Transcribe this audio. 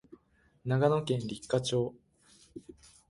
長野県立科町